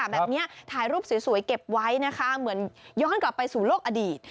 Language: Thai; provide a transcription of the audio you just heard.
แบบนี้ถ่ายรูปสวยเก็บไว้นะคะเหมือนย้อนกลับไปสู่โลกอดีต